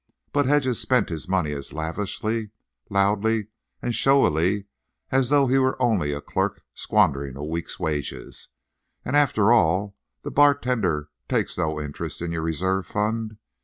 But Hedges spent his money as lavishly, loudly and showily as though he were only a clerk squandering a week's wages. And, after all, the bartender takes no interest in your reserve fund.